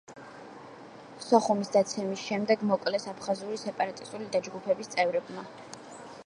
სოხუმის დაცემის შემდეგ მოკლეს აფხაზური სეპარატისტული დაჯგუფების წევრებმა.